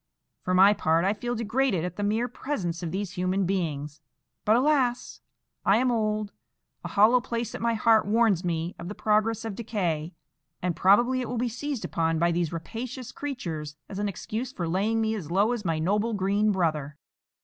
For my part, I feel degraded at the mere presence of these human beings; but, alas! I am old; a hollow place at my heart warns me of the progress of decay, and probably it will be seized upon by these rapacious creatures as an excuse for laying me as low as my noble green brother."